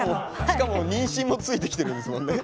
しかも妊娠もついてきてるんですもんね。